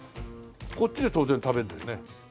こっちで当然食べるんだよね？